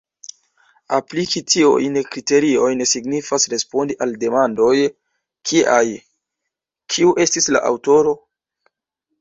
Apliki tiujn kriteriojn signifas respondi al demandoj kiaj: Kiu estis la aŭtoro?